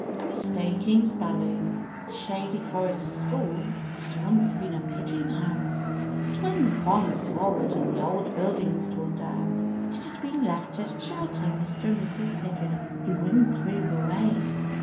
A MISTAKE IN SPELLING THE Shady Forest School had once been a pigeon house, but when the farm was sold and the old buildings torn down, it had been left to shelter Mr. and Mrs. Pigeon, who wouldn't move away.